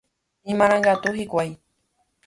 Imarangatu hikuái.